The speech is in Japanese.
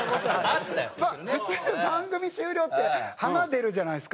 普通番組終了って花出るじゃないですか。